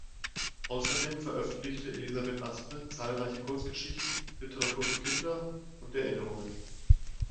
Außerdem veröffentlichte Elisabeth Aspe zahlreiche Kurzgeschichten, Literatur für Kinder und Erinnerungen.